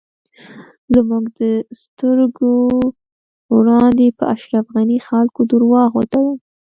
زموږ د سترږو وړاندی په اشرف غنی خلکو درواغ وتړل